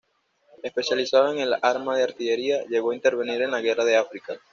Especializado en el arma de artillería, llegó a intervenir en la Guerra de África.